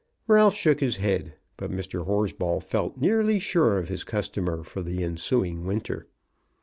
Ralph shook his head, but Mr. Horsball felt nearly sure of his customer for the ensuing winter.